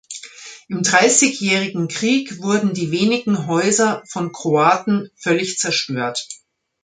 Im Dreißigjährigen Krieg wurden die wenigen Häuser von Kroaten völlig zerstört.